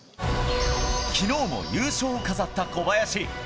きのうも優勝を飾った小林。